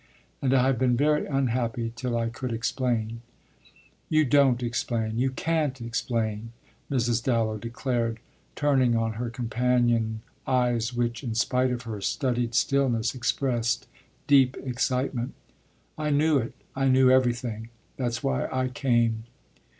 And I have been very unhappy till I could explain." "You don't explain you can't explain," Mrs Dallow declared, turning on her companion eyes which, in spite of her studied stillness, expressed deep excitement. "I knew it I knew everything; that's why I came."